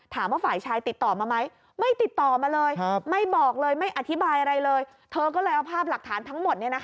ถามว่าฝ่ายชายติดต่อมามั้ยไม่ติดต่อมาเลย